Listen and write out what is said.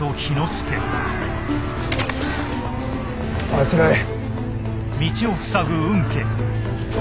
あちらへ。